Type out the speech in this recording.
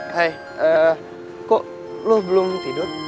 hai kok lo belum tidur